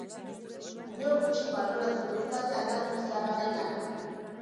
Inork gutxik baloratu du talde andaluziarraren lana.